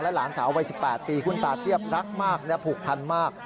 หลานสาววัย๑๘ปีคุณตาเทียบรักมากและผูกพันมาก